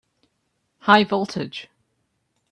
High voltage!